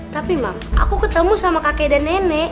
tapi mang aku ketemu sama kakek dan nenek